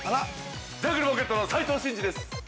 ジャングルポケットの斉藤慎二です。